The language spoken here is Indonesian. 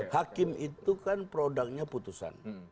hakim itu kan produknya putusan